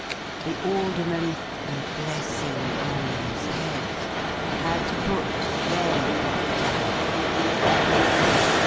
The Alderman (a blessing on his head!) had Put them Down.